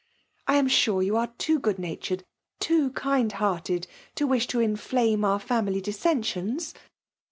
I am sure you are too good natured, too kind* hearted, to wish to inflame our family dissea aicms.